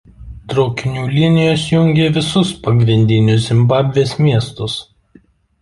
Traukinių linijos jungia visus pagrindinius Zimbabvės miestus.